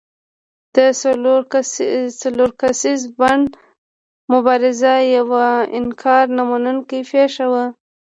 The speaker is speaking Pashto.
د څلور کسیز بانډ مبارزه یوه انکار نه منونکې پېښه وه.